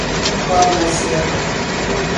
Amparo da Serra